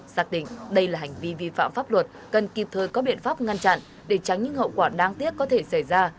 xác định đây là hành vi vi phạm pháp luật cần kịp thời có biện pháp ngăn chặn để tránh những hậu quả đáng tiếc có thể xảy ra